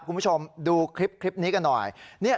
คุณผู้ชมดูคลิปนี้กันหน่อย